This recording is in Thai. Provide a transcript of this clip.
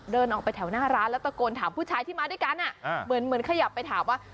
เดินออกไปแถวหน้าร้านแล้วตะโกนถามผู้ชายที่มาด้วยกันเหมือนขยับไปถามว่า